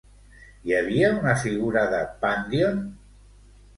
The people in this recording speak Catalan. Hi havia una figura de Pandíon?